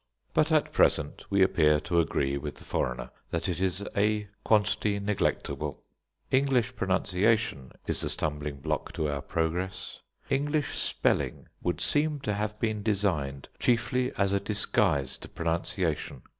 But at present we appear to agree with the foreigner that it is a quantity neglectable. English pronunciation is the stumbling block to our progress. English spelling would seem to have been designed chiefly as a disguise to pronunciation.